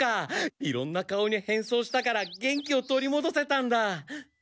いろんな顔に変装したから元気を取りもどせたんだ。